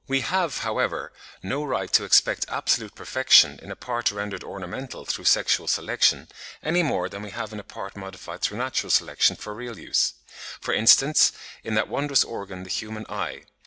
We have, however, no right to expect absolute perfection in a part rendered ornamental through sexual selection, any more than we have in a part modified through natural selection for real use; for instance, in that wondrous organ the human eye.